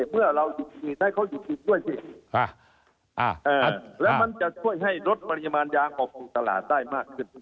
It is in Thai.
มันจะช่วยให้ลดปริมาณยางออกสู่ตลาดได้มากขึ้น